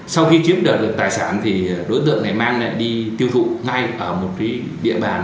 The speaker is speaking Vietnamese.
sau khi chiếm đoạt được tài sản thì đối tượng này mang đi tiêu thụ ngay ở một địa bàn